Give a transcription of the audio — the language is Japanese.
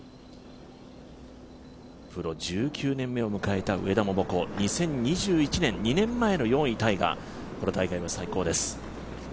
プロ１９年目を迎えた上田桃子、２０２１年、２年前の４位タイがこの大会の最高です。